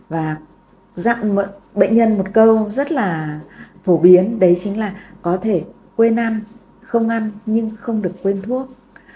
và bệnh nhân một câu rất là phổ biến đấy chính là có thể quên ăn không ăn nhưng không được quên thuốc